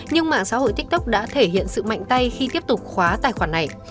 nhưng mạng xã hội tiktok đã thể hiện sự mạnh tay khi tiếp tục khóa tài khoản này